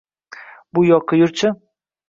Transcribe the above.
Bu yoqqa yur-chi!